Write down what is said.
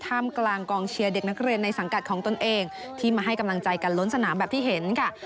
มกลางกองเชียร์เด็กนักเรียนในสังกัดของตนเองที่มาให้กำลังใจกันล้นสนามแบบที่เห็นค่ะ